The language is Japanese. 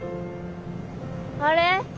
あれ？